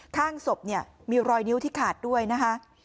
ข้างศพเนี่ยมีรอยนิ้วที่ขาดด้วยนะคะ